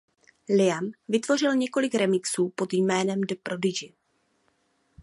Liam vytvořil několik remixů pod jménem The Prodigy.